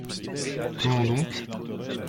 Comment donc ?